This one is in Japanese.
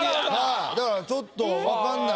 だからちょっとわかんない。